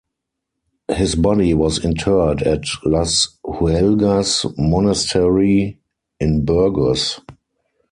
His body was interred at Las Huelgas monastery in Burgos.